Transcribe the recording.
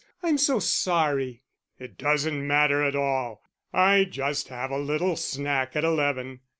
"I'm so sorry." "It doesn't matter at all. I just have a little snack at eleven."